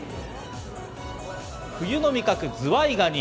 冬の味覚、ズワイガニ。